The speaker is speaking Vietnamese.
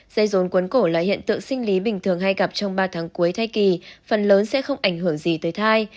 dây rôn quấn cổ là hiện tượng sinh lý bình thường hay gặp trong ba tháng cuối thai kỳ phần lớn sẽ không ảnh hưởng gì tới thai